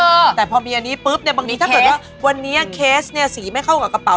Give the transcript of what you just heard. เพราะซึ่งว่าพอมีอันนี้ปุ๊บเนี่ยบางทีถ้าเกิดวันนี้สีไม่เข้ากับกระเป๋า